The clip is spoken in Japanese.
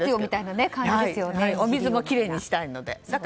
お水もきれいにしたいので。